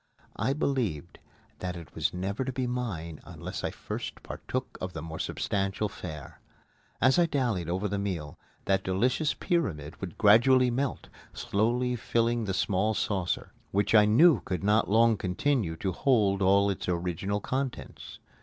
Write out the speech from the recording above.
I believed that it was never to be mine unless I first partook of the more substantial fare. As I dallied over the meal, that delicious pyramid would gradually melt, slowly filling the small saucer, which I knew could not long continue to hold all of its original contents.